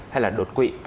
hay là đột quỵ